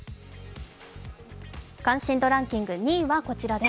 関心度ランキング、２位はこちらです。